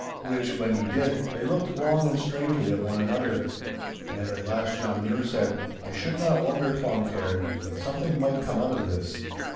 Which, when he did, they looked long and strangely at one another. And at last John Mure said, 'I should not wonder, Cloncaird, but something might come out of this.